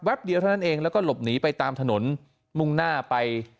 เดียวเท่านั้นเองแล้วก็หลบหนีไปตามถนนมุ่งหน้าไป